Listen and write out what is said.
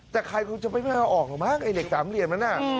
แต่ใครก็ไม่ที่จะเอาออกหรือมั้งไอ้เหล็กสามเหลี่ยมนั่น